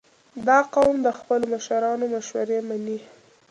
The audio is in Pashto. • دا قوم د خپلو مشرانو مشورې منې.